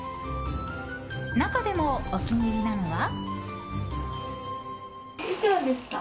中でもお気に入りなのは。